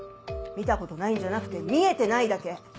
見たことないんじゃなくて見えてないだけ。